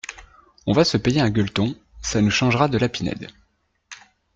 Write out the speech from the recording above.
On va se payer un gueuleton, ça nous changera de la Pinède.